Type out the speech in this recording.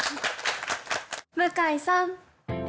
向井さん。